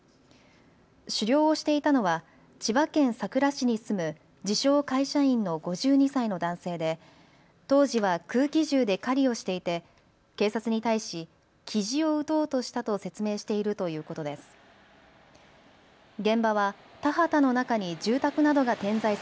狩猟をしていたのは千葉県佐倉市に住む自称会社員の５２歳の男性で当時は空気銃で狩りをしていて警察に対しキジを撃とうとしたと説明しているということです。